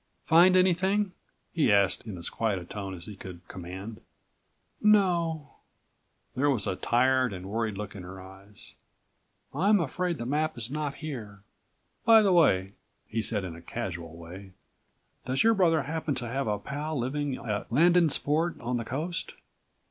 "Find anything?" he asked in as quiet a tone as he could command. "No," there was a tired and worried look in her eyes. "I'm afraid the map is not here." "By the way," he said in a casual way, "does your brother happen to have a pal living at Landensport on the coast?"